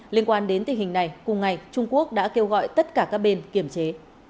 liên quan đến tình hình này cùng ngày trung quốc đã kêu gọi tất cả các bên kiểm chế